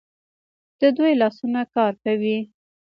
د دوی لاسونه کار کوي.